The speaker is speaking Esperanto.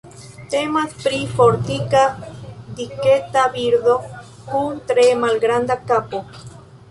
Temas pri fortika diketa birdo kun tre malgranda kapo.